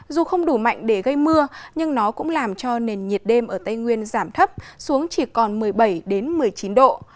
dù không đủ mạnh để gây mưa nhưng nó cũng làm cho nền nhiệt đêm ở tây nguyên giảm thấp xuống chỉ còn một mươi bảy một mươi chín độ